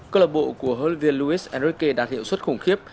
đội bóng của javier luis enrique đạt hiệu suất khủng khiếp